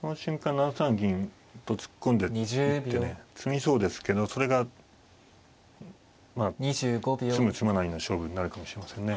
７三銀と突っ込んでいってね詰みそうですけどそれがまあ詰む詰まないの勝負になるかもしれませんね。